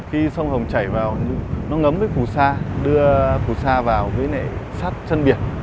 khi sông hồng chảy vào nó ngấm với phù sa đưa phù sa vào với nệ sát chân biển